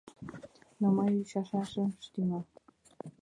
Ну, мый ӱчашаш ыжым тӱҥал.